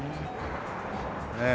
ねえ。